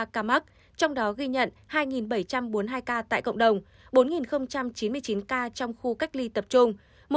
một trăm năm mươi ba ca mắc trong đó ghi nhận hai bảy trăm bốn mươi hai ca tại cộng đồng bốn chín mươi chín ca trong khu cách ly tập trung